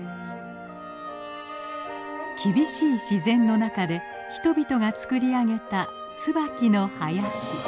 厳しい自然の中で人々が作り上げたツバキの林。